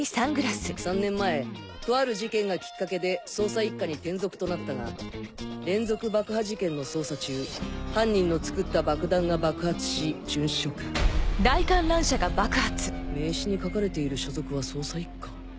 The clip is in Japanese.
３年前とある事件がきっかけで捜査一課に転属となったが連続爆破事件の捜査中犯人の作った爆弾が爆発し殉職爆発音名刺に書かれている所属は「捜査一課」